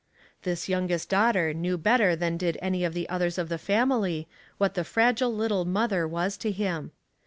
This youngest daughter knew better than did any of the others of the family what the fragile little mother was to him.